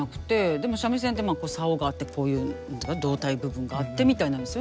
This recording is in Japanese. でも三味線って棹があってこういう胴体部分があってみたいなんですよね。